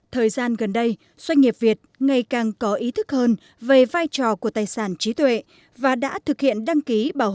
thời gian gần đây doanh nghiệp việt ngày càng có ý thức hơn về vai trò của tài sản trí tuệ và đã thực hiện đăng ký